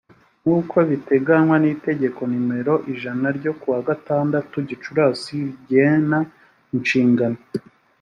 nkuko biteganywa n’itegeko nimero ijana ryo kuwa gatatu gicurasi rigena inshingano.